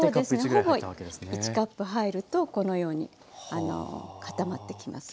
ほぼ１カップ入るとこのように固まってきます。